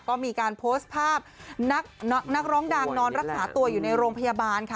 ก็มีการโพสต์ภาพนักร้องดังนอนรักษาตัวอยู่ในโรงพยาบาลค่ะ